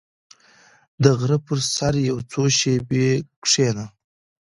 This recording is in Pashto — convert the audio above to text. • د غره پر سر یو څو شېبې کښېنه.